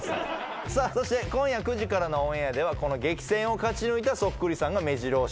そして今夜９時からのオンエアではこの激戦を勝ち抜いたそっくりさんがめじろ押しなわけですよね。